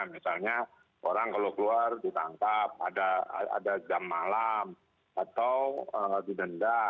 misalnya orang kalau keluar ditangkap ada jam malam atau didenda